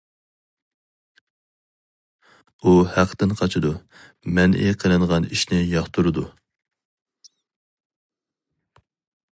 ئۇ, ھەقتىن قاچىدۇ, مەنئى قىلىنغان ئىشنى ياقتۇرىدۇ.